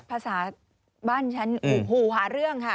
ภาษาบ้านฉันหูหาเรื่องค่ะ